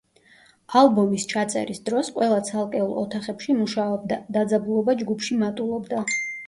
ალბომის ჩაწერის დროს ყველა ცალკეულ ოთახებში მუშაობდა, დაძაბულობა ჯგუფში მატულობდა.